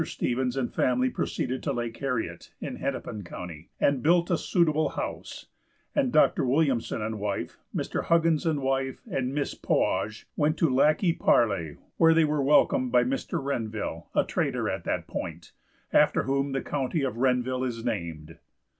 Stevens and family proceeded to Lake Harriet, in Hennepin county, and built a suitable house, and Dr. Williamson and wife, Mr. Huggins and wife, and Miss Poage, went to Lac qui Parle, where they were welcomed by Mr. Renville, a trader at that point, after whom the county of Renville is named.